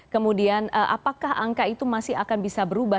kemudian apakah angka itu masih akan bisa berubah